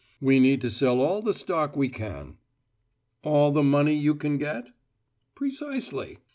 "We need to sell all the stock we can." "All the money you can get?" "Precisely.